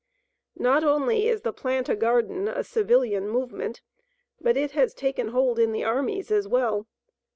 Not only is the "plant a garden" a civilian movement, but it has taken hold in the armies as well.